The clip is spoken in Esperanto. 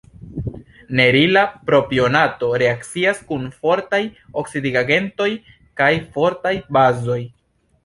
Nerila propionato reakcias kun fortaj oksidigagentoj kaj fortaj bazoj.